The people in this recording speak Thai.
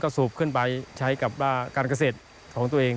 สูบขึ้นไปใช้กับว่าการเกษตรของตัวเอง